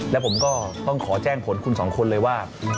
แล้วผมก็ต้องขอแจ้งผลคุณสองคนเลยว่า